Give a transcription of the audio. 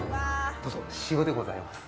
どうぞ、シオでございます。